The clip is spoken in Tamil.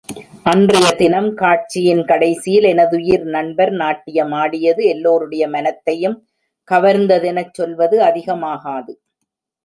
அன்றைத் தினம் காட்சியின் கடைசியில் எனதுயிர் நண்பர் நாட்டியம் ஆடியது எல்லோருடைய மனத்தையும் கவர்ந்ததெனச் சொல்வது அதிகமாகாது.